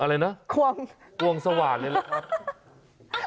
อะไรนะควงควงสว่างเลยนะครับ